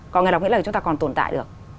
có người đọc nghĩa là chúng ta còn tồn tại được